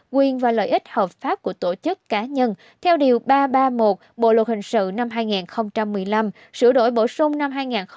quyền và lợi ích hợp pháp của tổ chức cá nhân theo điều ba trăm ba mươi một bộ luật hình sự năm hai nghìn một mươi năm sửa đổi bổ sung năm hai nghìn một mươi bảy